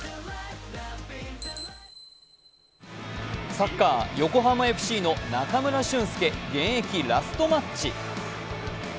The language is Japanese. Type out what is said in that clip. サッカー、横浜ＦＣの中村俊輔現役ラストマッチ。